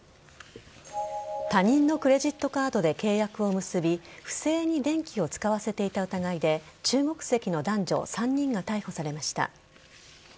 他人のクレジットカードで契約を結び不正に電気を使わせていた疑いで中国籍の男女３人が逮捕されました。